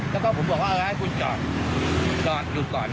แล้วก็ผมบอกว่าเออให้คุณจอดจอดหยุดก่อน